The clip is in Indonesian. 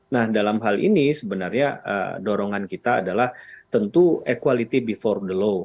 nah dalam hal ini sebenarnya dorongan kita adalah tentu equality before the law